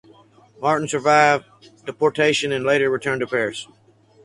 Martin survived deportation and later returned to Paris.